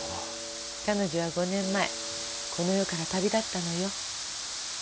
彼女は５年前この世から旅立ったのよ。